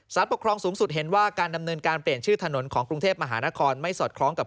สนพวกคลองสูงสุดเห็นว่าการดำเนินการเปลี่ยนชื่อถนนของกรุงเทพมหานครร้ายสนของเกินไกล